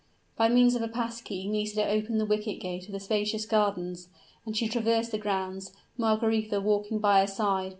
By means of a pass key Nisida opened the wicket gate of the spacious gardens, and she traversed the grounds, Margaretha walking by her side.